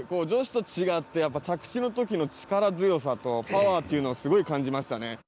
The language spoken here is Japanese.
女子と違って着地のときの力強さとパワーっていうのをすごい感じましたね。